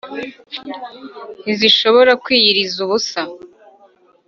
ntizishobora kwiyiriza ubusa